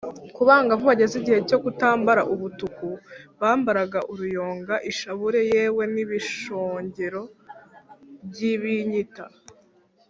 ku bangavu bageze igihe cyo kutambara ubutuku, bambaraga uruyonga, ishabure yewe n’ibishogero by’ibinyita